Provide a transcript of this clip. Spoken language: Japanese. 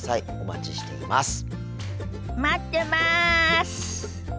待ってます！